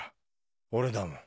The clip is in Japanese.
俺だもん。